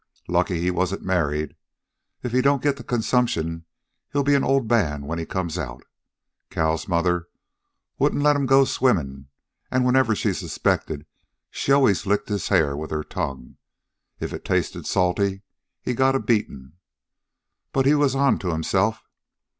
Lucky he wasn't married. If he don't get the consumption he'll be an old man when he comes out. Cal's mother wouldn't let 'm go swimmin', an' whenever she suspected she always licked his hair with her tongue. If it tasted salty, he got a beltin'. But he was onto himself.